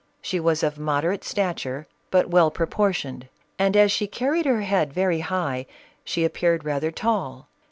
She was of moderate stature, but well proportioned ; and as she carried her head very high, she appeared rather tall.